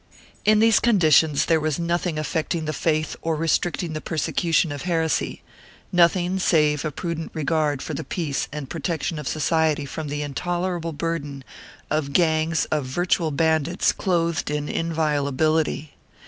2 In these conditions there was nothing affecting the faith or restricting the persecution of heresy; nothing save a prudent regard for the peace and protection of society from the intolerable burden of gangs of virtual bandits clothed in inviolability.